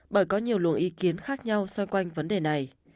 bởi có nhiều luồng ý kiến khác nhau xoay quanh vấn đề này